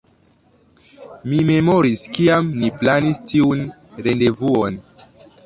Mi memoris kiam ni planis tiun rendevuon